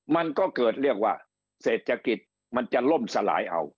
มันก็เกิดเรียกว่าเศรษฐกิจมันจะล่มสลายเอา